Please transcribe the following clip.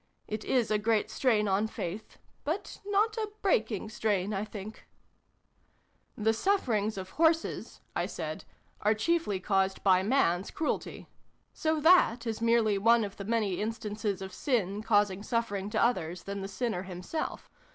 It is a great strain on Faith but not a breaking strain, I think." xix] A FAIRY DUET. 297 "The sufferings of horses" I said, "are chiefly caused by Mans cruelty. So that is merely one of the many instances of Sin causing suffering to others than the Sinner himself.